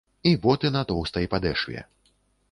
І боты на тоўстай падэшве.